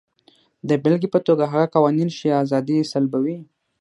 د بېلګې په توګه هغه قوانین چې ازادي سلبوي.